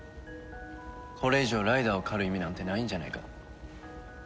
これ以上ライダーを狩る意味なんてないんじゃないか？